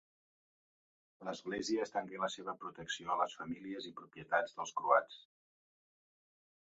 L'Església estengué la seva protecció a les famílies i propietats dels croats.